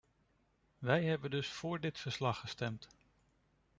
Wij hebben dus voor dit verslag gestemd.